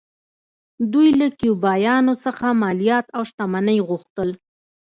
دوی له کیوبایانو څخه مالیات او شتمنۍ غوښتل